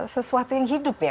sesuatu yang hidup ya